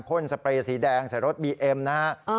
พ่นสเปรย์สีแดงใส่รถบีเอ็มนะฮะ